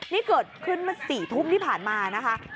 นี่เกิดขึ้นเมื่อ๔ทุ่มที่ผ่านมานะคะ